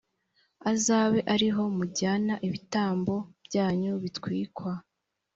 azabe ari ho mujyana ibitambo byanyu bitwikwa,